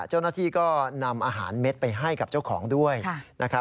เจ้าหน้าที่ก็นำอาหารเม็ดไปให้กับเจ้าของด้วยนะครับ